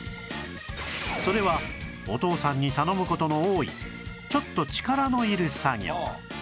それはお父さんに頼む事の多いちょっと力のいる作業